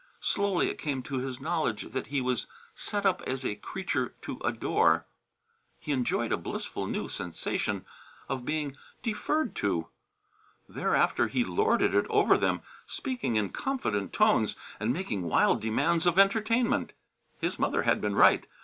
Slowly it came to his knowledge that he was set up as a creature to adore. He enjoyed a blissful new sensation of being deferred to. Thereafter he lorded it over them, speaking in confident tones and making wild demands of entertainment. His mother had been right.